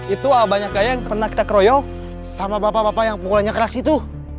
itu banyak gaya yang pernah kita keroyok sama bapak bapak yang pukulannya keras itu